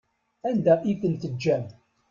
Anda i ten-teǧǧam?